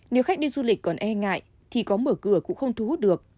nếu khách đi du lịch còn e ngại thì có mở cửa cũng không thu hút được